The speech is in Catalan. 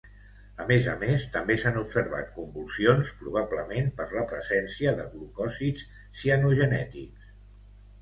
A més a més, també s'han observat convulsions probablement per la presència de glucòsids cianogenètics.